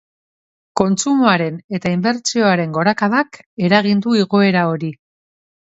Kontsumoaren eta inbertsioaren gorakadak eragin du igoera hori.